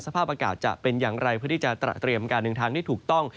สภาพอากาศจะเป็นอย่างไรเพื่อที่จะเตรียมการเดินทางที่ถูกต้อง